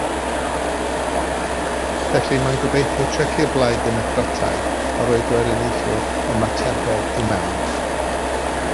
Felly mae'n gobeithio trechu'r Blaid Ddemocrataidd a rhoi Gweriniaethwr ymatebol i mewn.